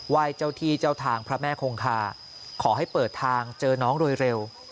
เจ้าที่เจ้าทางพระแม่คงคาขอให้เปิดทางเจอน้องโดยเร็ว